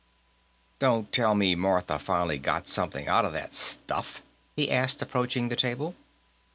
"Don't tell me Martha finally got something out of that stuff?" he asked, approaching the table.